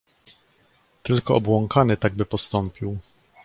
"Tylko obłąkany tak by postąpił."